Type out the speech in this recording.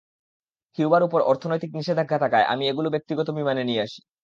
কিউবার উপর অর্থনৈতিক নিষেধাজ্ঞা থাকায়, আমি এগুলো ব্যক্তিগত বিমানে নিয়ে আসি।